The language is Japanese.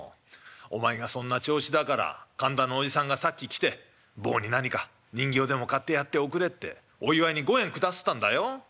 お前がそんな調子だから神田のおじさんがさっき来て坊に何か人形でも買ってやっておくれってお祝いに５円下すったんだよ。